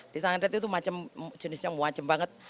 disandret itu jenisnya macam banget